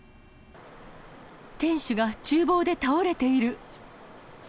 店主がちゅう房で倒れている。